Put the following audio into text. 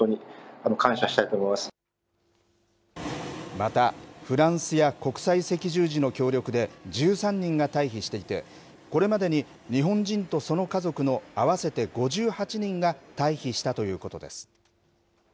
また、フランスや国際赤十字の協力で１３人が退避していて、これまでに日本人とその家族の合わせて５８人が退避したということです。